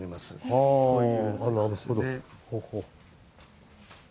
はぁあっなるほど。